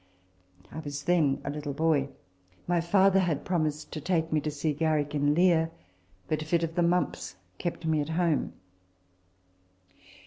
I was then a little boy. My father had promised to take me to see Garrick in Lear ; but a fit of the mumps kept me at home.